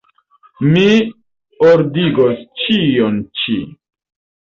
Mi ordigos ĉion ĉi.